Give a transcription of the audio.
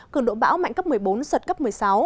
cường độ bão mạnh cấp một mươi bốn giật cấp một mươi sáu